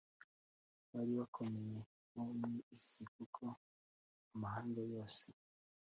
bari abakomeye bo mu isi kuko amahanga yose